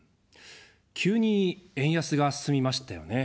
急に円安が進みましたよね。